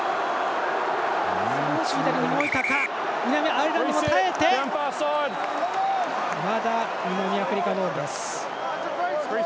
アイルランド、耐えてまだ、南アフリカボールです。